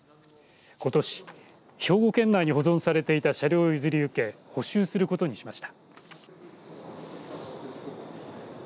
ことし、兵庫県内に保存されていた車両を譲り受け補修することにしました。